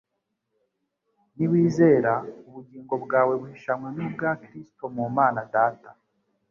Niwizera, ubugingo bwawe buhishanywe n'ubwa Kristo mu Mana Data.